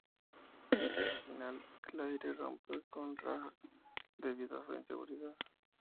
Al final, Claire rompe con Raj debido a su inseguridad.